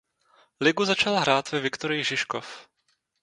Ligu začal hrát ve Viktorii Žižkov.